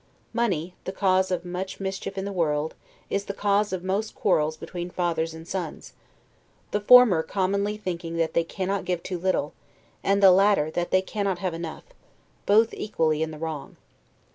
Money, the cause of much mischief in the world, is the cause of most quarrels between fathers and sons; the former commonly thinking that they cannot give too little, and the latter, that they cannot have enough; both equally in the wrong.